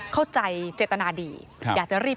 เข้าใจเจตนาดีอยากจะรีบ